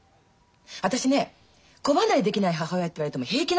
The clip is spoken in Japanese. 私ね子離れできない母親って言われても平気なの。